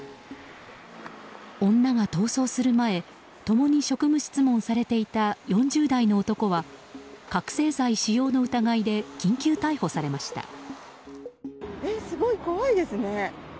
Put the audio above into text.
女が逃走する前共に職務質問されていた４０代の男は覚醒剤使用の疑いで緊急逮捕されました。